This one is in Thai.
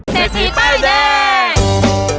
เซธีป้ายแดง